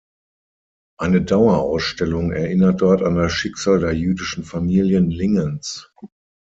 Eine Dauerausstellung erinnert dort an das Schicksal der Jüdischen Familien Lingens.